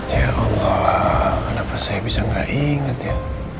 ya allah kenapa saya bisa gak ingat ya